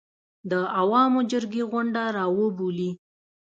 د عوامو جرګې غونډه راوبولي